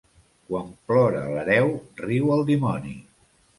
Quan plora l'hereu riu el dimoni.